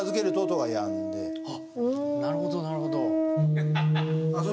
あっなるほどなるほど。